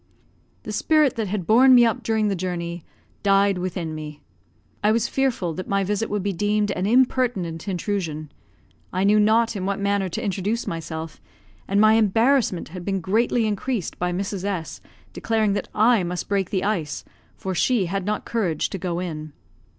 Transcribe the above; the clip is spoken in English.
The spirit that had borne me up during the journey died within me. I was fearful that my visit would be deemed an impertinent intrusion. I knew not in what manner to introduce myself, and my embarrassment had been greatly increased by Mrs. S declaring that I must break the ice, for she had not courage to go in.